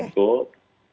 menko ya menko bartel